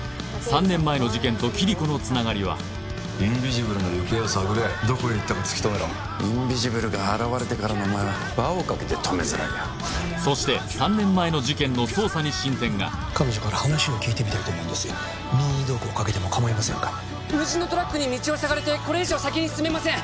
３年前の事件とキリコのつながりはインビジブルの行方を探れどこへ行ったか突き止めろインビジブルが現れてからのお前は輪をかけて止めづらいよそして彼女から話を聞いてみたいと思うんですが任意同行かけてもかまいませんか無人のトラックに道を塞がれてこれ以上先に進めません